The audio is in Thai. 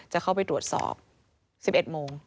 จะเข้าไปตรวจสอบ๑๑โมง